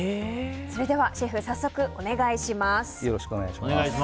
それではシェフ早速お願いします。